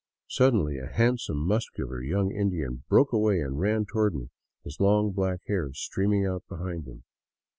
Suddenly a handsome, muscular young Indian broke away and ran toward me, his long, black hair streaming out behind him.